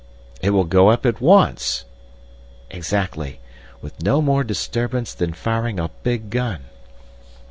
"It will go up at once!" "Exactly. With no more disturbance than firing a big gun."